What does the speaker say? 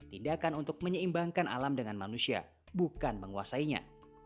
tindakan untuk menyeimbangkan alam dengan manusia bukan menguasainya